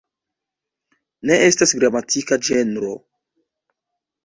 Ne estas gramatika ĝenro.